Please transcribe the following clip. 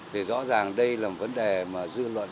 thì rõ ràng đây là một vấn đề mà dư luận